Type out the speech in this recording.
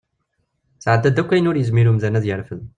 Tesɛedda-d akk ayen ur yezmir umdan ad yerfed.